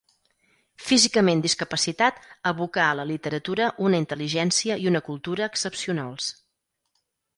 Físicament discapacitat, abocà a la literatura una intel·ligència i una cultura excepcionals.